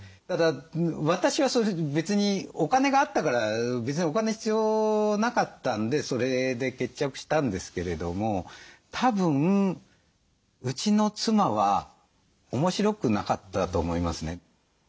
ただ私はそういうふうに別にお金があったから別にお金必要なかったんでそれで決着したんですけれどもたぶんうちの妻は面白くなかったと思いますね。